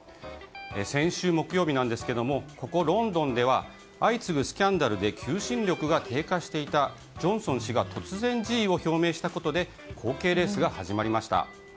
先週木曜日、ここロンドンでは相次ぐスキャンダルで求心力が低下していたジョンソン氏が突然辞意を表明したことで後継レースが始まりました。